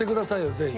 ぜひ。